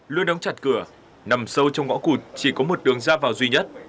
luôn đóng chặt cửa nằm sâu trong ngõ cụt chỉ có một đường ra vào duy nhất